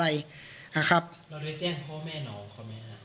แล้วได้แจ้งพ่อแม่น้องความยังไง